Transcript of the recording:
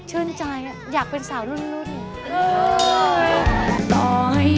ชื่นใจอยากเป็นสาวรุ่น